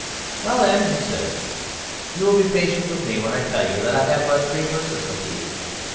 "Well, then," he said, "you will be patient with me when I tell you that I have but three verses completed."